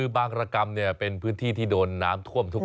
บางรกรรมเป็นพื้นที่ที่โดนน้ำท่วมทุกวัน